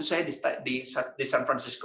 apa yang harus saya katakan di san francisco